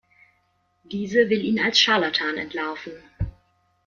Diese will ihn als Scharlatan entlarven.